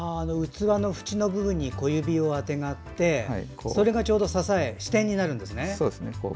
器のふちの部分に小指をあてがってそれがちょうど支えとして支点になるんですね。